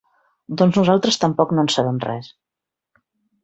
Doncs nosaltres tampoc no en sabem res.